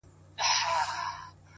زه مي پر خپلي بې وسۍ باندي تکيه کومه _